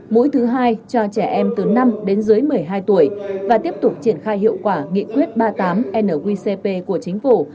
mũi thứ hai cho trẻ em từ năm đến dưới một mươi hai tuổi và tiếp tục triển khai hiệu quả nghị quyết ba mươi tám nqcp của chính phủ